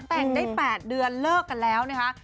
แต่งได้๘เดือนเลิกกันแล้วนะคะ